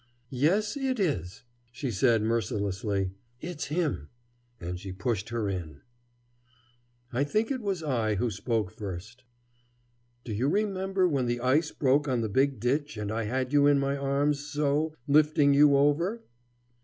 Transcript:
"Yes! it is!" she said, mercilessly, "it's him," and she pushed her in. [Illustration: Bringing the Loved up Flowers] I think it was I who spoke first. "Do you remember when the ice broke on the big ditch and I had you in my arms, so, lifting you over?"